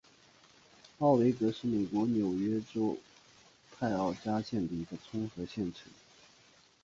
奥韦戈是美国纽约州泰奥加县的一个村和县城。